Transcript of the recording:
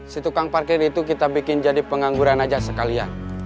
si tukang parkir itu kita bikin jadi pengangguran aja sekalian